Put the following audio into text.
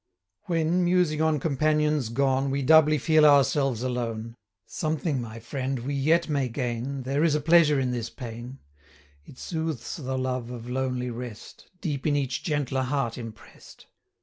When, musing on companions gone, We doubly feel ourselves alone, 135 Something, my friend, we yet may gain, There is a pleasure in this pain: It soothes the love of lonely rest, Deep in each gentler heart impress'd.